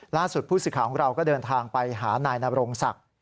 ล่าสุดผู้สื่อข่าวของเราก็เดินทางไปหานายนบรงศักดิ์